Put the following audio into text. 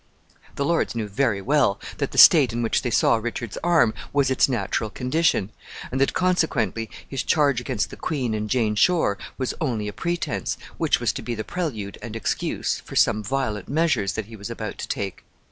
] The lords knew very well that the state in which they saw Richard's arm was its natural condition, and that, consequently, his charge against the queen and Jane Shore was only a pretense, which was to be the prelude and excuse for some violent measures that he was about to take.